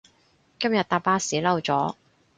今日搭巴士嬲咗